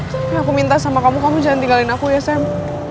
tapi aku minta sama kamu kamu jangan tinggalin aku sm